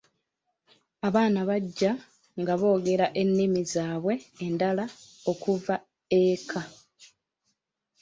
Abaana bajja nga boogera ennimi zaabwe endala okuva eka.